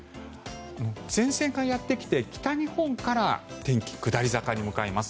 前線がやってきて北日本から天気、下り坂に向かいます。